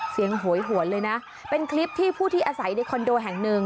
โหยหวนเลยนะเป็นคลิปที่ผู้ที่อาศัยในคอนโดแห่งหนึ่ง